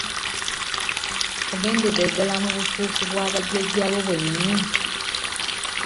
Ogendedde ddala mu buufu bwa bajjajjaabo bwennyini.